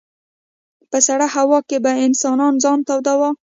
په سړه هوا کې به انسان ځان توداوه.